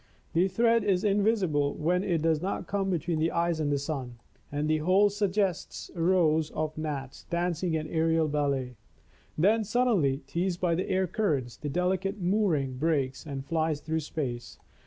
The thread is invisible when it does not come between the eyes and the sun, 192 THE TREASURE CHEST and the whole suggests rows of Gnats dancing an aerial ballet. Then, suddenly, teased by the air currents, the delicate moor ing breaks and flies through space.